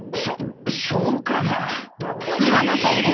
そそうかな？